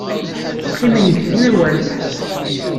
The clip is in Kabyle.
Qqimen deg tenwalt.